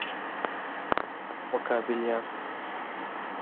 مقابل یاست.